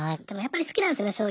でもやっぱり好きなんですよね